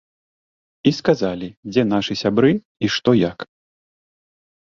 І сказалі, дзе нашы сябры і што як.